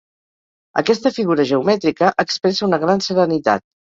Aquesta figura geomètrica expressa una gran serenitat.